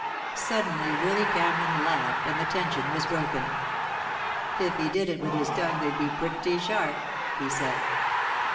Suddenly Willy Cameron laughed, and the tension was broken. "If he did it with his tongue they'd be pretty sharp," he said.